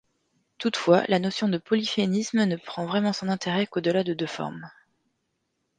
Toutefois, la notion de polyphénisme ne prend vraiment son intérêt qu'au-delà de deux formes.